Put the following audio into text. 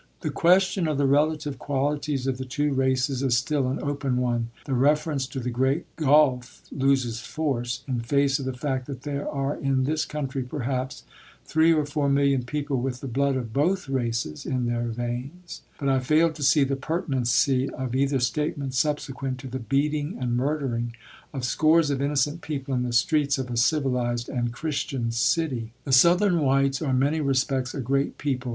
The question of the relative qualities of the two races is still an open one. The reference to the "great gulf" loses force in face of the fact that there are in this country perhaps three or four million people with the blood of both races in their veins; but I fail to see the pertinency of either statement subsequent to the beating and murdering of scores of innocent people in the streets of a civilized and Christian city. The Southern whites are in many respects a great people.